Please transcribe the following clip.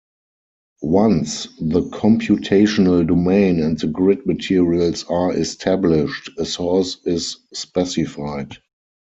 Once the computational domain and the grid materials are established, a source is specified.